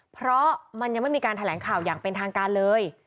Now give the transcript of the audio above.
เพราะมันยังไม่มีการแถลงข่าวอย่างเป็นทางการเลย